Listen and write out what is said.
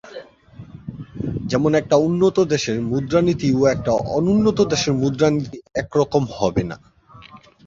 যেমন একটা উন্নত দেশের মুদ্রানীতি ও একটা অনুন্নত দেশের মুদ্রানীতি একরকম হবে না।